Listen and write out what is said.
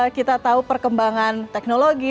kita tahu perkembangan teknologi